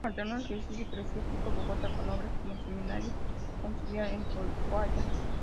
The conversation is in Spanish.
Alterno el ejercicio eclesiástico en Bogotá con obras como el Seminario Conciliar en Popayán.